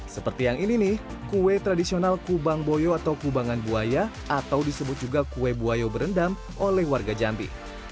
seperti yang ini nih kue tradisional kubang boyo atau kubangan buaya atau disebut juga kue buaya berendam oleh warga jambi